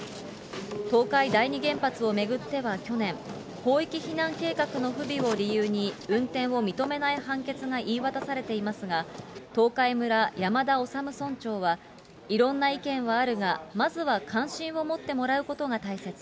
東海第二原発を巡っては去年、広域避難計画の不備を理由に、運転を認めない判決が言い渡されていますが、東海村、山田修村長は、いろんな意見はあるが、まずは関心を持ってもらうことが大切。